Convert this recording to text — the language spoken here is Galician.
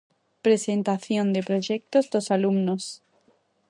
Presentación de proxectos dos alumnos.